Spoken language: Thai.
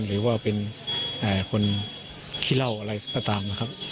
หรือว่าเป็นคนขี้เหล้าอะไรก็ตามนะครับ